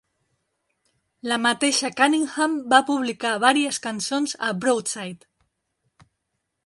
La mateixa Cunningham va publicar vàries cançons a "Broadside".